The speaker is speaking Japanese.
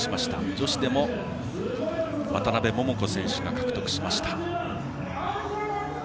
女子でも渡邉桃子選手が獲得しました。